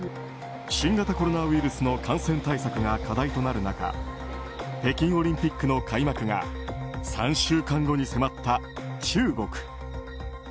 新型コロナウイルスの感染対策が課題となる中北京オリンピックの開幕が３週間後に迫った中国。